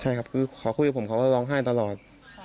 ใช่ครับคือเขาคุยกับผมเขาก็ร้องไห้ตลอด